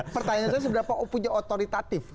pertanyaannya seberapa punya otoritatif